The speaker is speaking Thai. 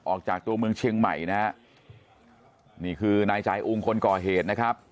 ออกจากตัวเมืองเชียงใหม่นะฮะนี่คือนายจ่ายอุงคนก่อเหตุนะครับ